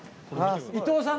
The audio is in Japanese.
伊藤さんだ！